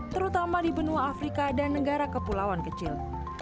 terutama di benua afrika dan negara kepulauan kecil